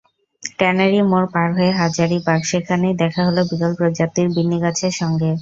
Tannery মোড় পার হয়ে হাজারীবাগ, সেখানেই দেখা হলো বিরল প্রজাতির বিন্নীগাছের সঙ্গে।